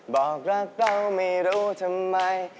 บอกรักเราไม่รู้ทำไม